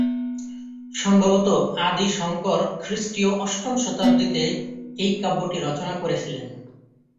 সম্ভবত আদি শঙ্কর খ্রিস্টীয় অষ্টম শতাব্দীতে এই কাব্যটি রচনা করেছিলেন।